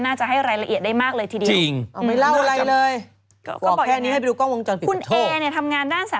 น่าจะให้รายละเอียดได้มากเลยทีดีจริงไม่เล่าอะไรเลย